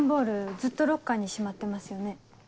ずっとロッカーにしまってますよね。